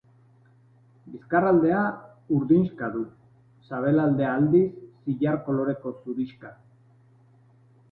Bizkarraldea urdinxka du; sabelaldea, aldiz, zilar koloreko zurixka.